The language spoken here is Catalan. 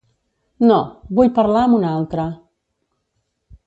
No, vull parlar amb una altra.